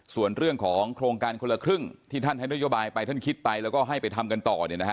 ส่วนเรื่องของโครงการคนละครึ่งที่ท่านให้นโยบายไปท่านคิดไปแล้วก็ให้ไปทำกันต่อ